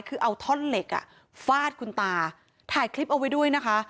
คือเอาท่อนเหล็กอ่ะฟาดคุณตาถ่ายคลิปเอาไว้ด้วยนะคะ